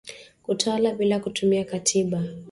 Kutawala bila kutumia katiba